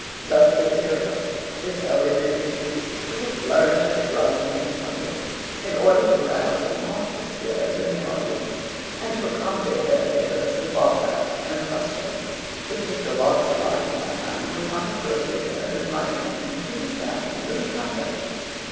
Thus the heroe is always introduced with a flourish of drums and trumpets, in order to rouse a martial spirit in the audience, and to accommodate their ears to bombast and fustian, which Mr Locke's blind man would not have grossly erred in likening to the sound of a trumpet.